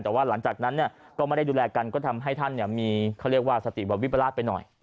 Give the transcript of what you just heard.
แต่ว่าหลังจากนั้นก็ไม่ได้ดูแลกันก็ทำให้ท่านมีเขาเรียกว่าสติบวิปราชไปหน่อย